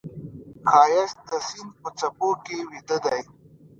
ښایست د سیند په څپو کې ویده دی